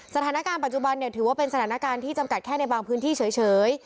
สถานการณ์ปัจจุบันถือว่าเป็นสถานการณ์ที่จำกัดแค่ในบางพื้นที่เฉย